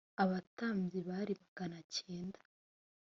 abatambyi bari magana cyenda